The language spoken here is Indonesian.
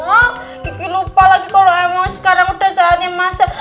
wah bikin lupa lagi kalau emang sekarang udah saatnya masak